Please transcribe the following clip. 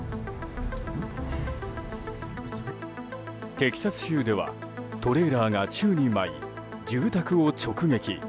テキサス州ではトレーラーが宙に舞い住宅を直撃。